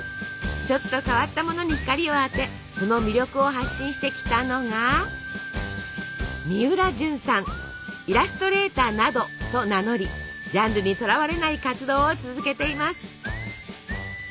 ちょっと変わったものに光を当てその魅力を発信してきたのが「イラストレーターなど」と名乗りジャンルにとらわれない活動を続けています。